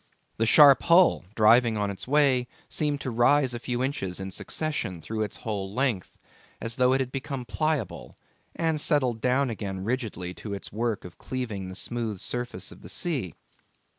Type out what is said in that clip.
The sharp hull driving on its way seemed to rise a few inches in succession through its whole length, as though it had become pliable, and settled down again rigidly to its work of cleaving the smooth surface of the sea.